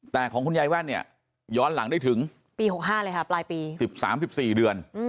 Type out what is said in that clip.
แต่ของคุณยายแว่นเนี่ยย้อนหลังได้ถึงปี๖๕เลยค่ะปลายปี๑๓๑๔เดือน